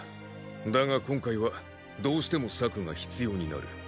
だが今回はどうしても策が必要になる。